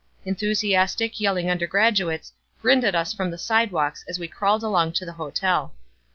Enthusiastic, yelling undergraduates grinned at us from the sidewalks as we crawled along to the hotel.